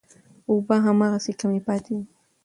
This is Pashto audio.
اوبه هماغسې کمې پاتې دي.